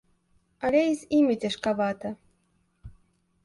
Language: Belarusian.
Але і з імі цяжкавата.